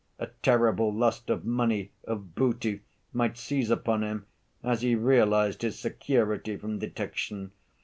A terrible lust of money, of booty, might seize upon him as he realized his security from detection.